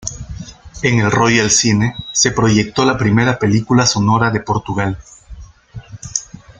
En el Royal Cine se proyectó la primera película sonora de Portugal.